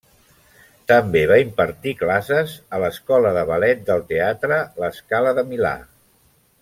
També va impartir classes a l'Escola de Ballet del Teatre La Scala de Milà.